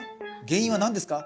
原因は何ですか？